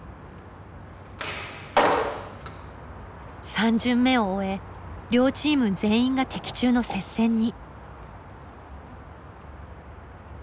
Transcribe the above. ３巡目を終え両チーム全員が的中の接戦に。